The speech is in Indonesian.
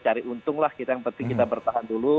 cari untung lah kita bertahan dulu